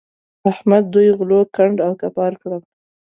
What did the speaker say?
احمد دوی غلو کنډ او کپر کړل.